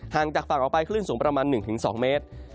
จากฝั่งออกไปคลื่นสูงประมาณ๑๒เมตร